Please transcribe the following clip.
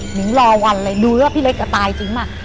หนึ่งรอวันเลยดูว่าพี่เล็กก็ตายจริงมาก